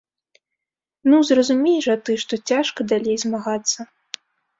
Ну, зразумей жа ты, што цяжка далей змагацца!